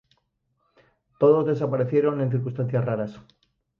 Todos desaparecieron en circunstancias raras.